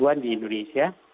dua ribu an di indonesia